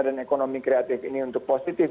dan ekonomi kreatif ini untuk positif